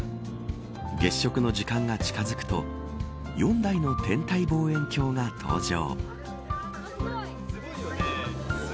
月食の時間が近づくと４台の天体望遠鏡が登場。